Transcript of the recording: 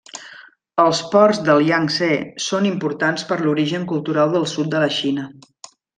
Els ports del Iang-Tsé són importants per l'origen cultural del sud de la Xina.